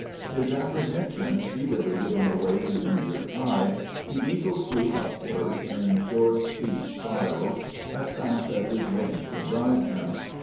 His apprehension speedily giving way to injured pride, the eagle flew upwards, in short, steep spirals, as fast as his wings could drive him.